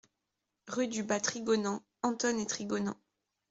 Rue du Bas Trigonant, Antonne-et-Trigonant